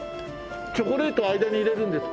チョコレートを間に入れるんですか？